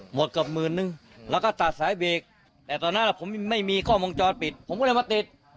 เกือบหมื่นนึงแล้วก็ตัดสายเบรกแต่ตอนนั้นผมไม่มีกล้องวงจรปิดผมก็เลยมาติด